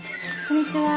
こんにちは。